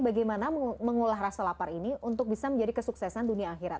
bagaimana mengolah rasa lapar ini untuk bisa menjadi kesuksesan dunia akhirat